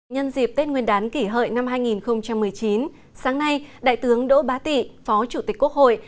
nhân dịp tết nguyên đán kỷ hợi năm hai nghìn một mươi chín sáng nay đại tướng đỗ bá tị phó chủ tịch quốc hội